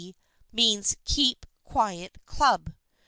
means Keep Quiet Club.